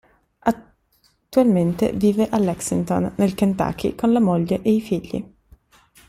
Attualmente vive a Lexington, nel Kentucky con la moglie ed i figli.